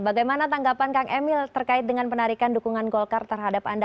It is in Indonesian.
bagaimana tanggapan kang emil terkait dengan penarikan dukungan golkar terhadap anda